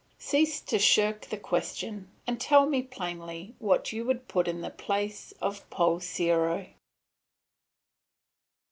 Cease to shirk the question, and tell me plainly what you would put in the place of Poul Serrho.